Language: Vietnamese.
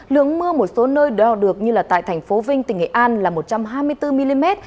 lưỡng mưa một số nơi đo được như tại thành phố vinh tỉnh hệ an là một trăm hai mươi bốn mm